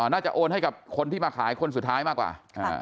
น่าจะโอนให้กับคนที่มาขายคนสุดท้ายมากกว่า